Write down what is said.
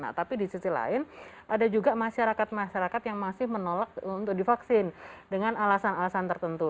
nah tapi di sisi lain ada juga masyarakat masyarakat yang masih menolak untuk divaksin dengan alasan alasan tertentu